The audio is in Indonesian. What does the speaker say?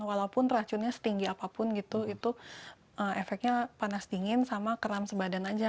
walaupun racunnya setinggi apapun gitu itu efeknya panas dingin sama keram sebadan aja